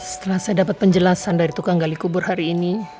setelah saya dapat penjelasan dari tukang gali kubur hari ini